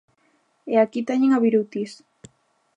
E aquí teñen a Birutis.